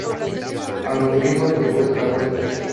A los gritos de ¡vuelta, vuelta!